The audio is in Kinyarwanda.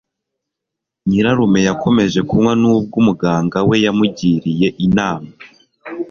Nyirarume yakomeje kunywa nubwo umuganga we yamugiriye inama.